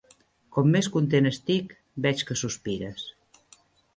Com més content estic, veig que sospires.